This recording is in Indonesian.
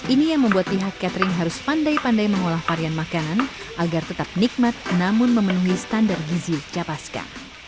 ini yang membuat pihak catering harus pandai pandai mengolah varian makanan agar tetap nikmat namun memenuhi standar gizi capaska